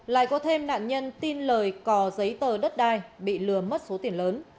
lại có thêm nạn nhân tin lời cò giấy tờ đất đai bị lừa mất số tiền lớn